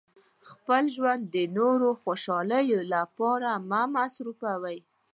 خپل ژوند د نورو د خوشحالولو لپاره مه مصرفوئ.